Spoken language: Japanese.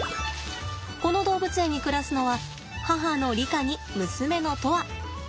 この動物園に暮らすのは母のリカに娘の砥愛。